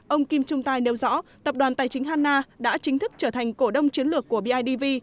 ông kim trung tài nêu rõ tập đoàn tài chính hanna đã chính thức trở thành cổ đông chiến lược của bidv